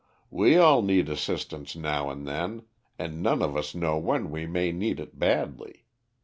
"We all need assistance now and then, and none of us know when we may need it badly.